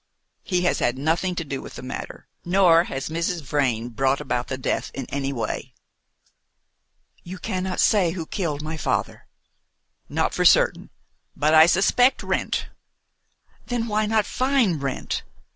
He has had nothing to do with the matter; nor has Mrs. Vrain brought about the death in any way." "You cannot say who killed my father?" "Not for certain, but I suspect Wrent." "Then why not find Wrent?"